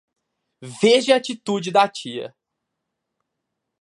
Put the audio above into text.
Veja a atitude da tia